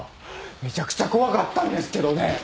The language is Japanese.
めちゃくちゃ怖かったんですけど。